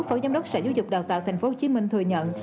phổ giám đốc sở du dục đào tạo tp hcm thừa nhận